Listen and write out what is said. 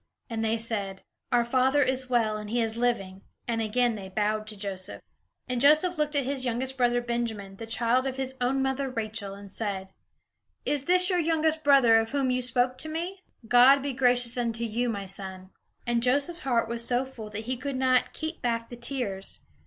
And they said, "Our father is well and he is living." And again they bowed to Joseph. And Joseph looked at his younger brother Benjamin, the child of his own mother Rachel, and said: "Is this your youngest brother, of whom you spoke to me? God be gracious unto you, my son." And Joseph's heart was so full that he could not keep back the tears.